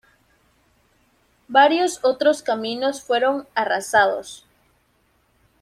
Varios otros caminos fueron arrasados.